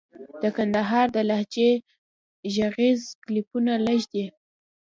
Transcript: د کندهار د لهجې ږغيز کليپونه لږ دي.